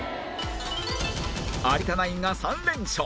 有田ナインが３連勝